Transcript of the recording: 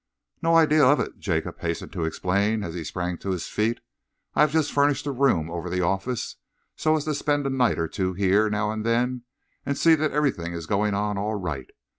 "No idea of it," Jacob hastened to explain, as he sprang to his feet. "I have just furnished a room over the office, so as to spend a night or two here, now and then, and see that everything is going on all right.